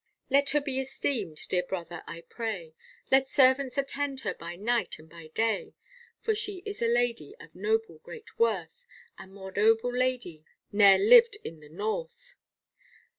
Let her be esteemed, dear brother, I pray. Let servants attend her by night and by day, For she is a lady of noble great worth, A more noble lady ne'er lived in the north.